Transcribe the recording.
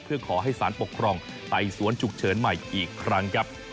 เพื่อขอให้สารปกครองไต่สวนฉุกเฉินใหม่อีกครั้งครับ